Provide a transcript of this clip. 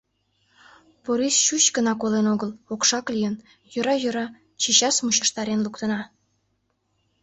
Порис чуч гына колен огыл, окшак лийын... йӧра, йӧра — чечас мучыштарен луктына...